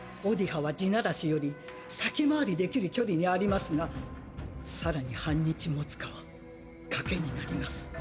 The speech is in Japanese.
オディハは「地鳴らし」より先回りできる距離にありますがさらに半日保つかは賭けになります。